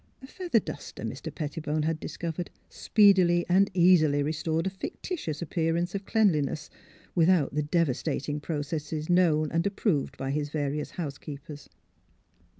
A feather duster, Mr. Pettibone had discovered, speedily and easily restored a fictitious appearance of cleanliness without the devastating processes known and approved by his various house keepers.